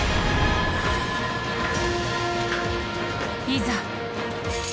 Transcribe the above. いざ！